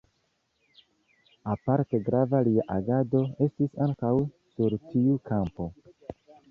Aparte grava lia agado estis ankaŭ sur tiu kampo.